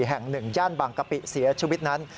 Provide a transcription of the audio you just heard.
แห่งหนึ่งย่านบางกะปิเสียชีวิตนั้น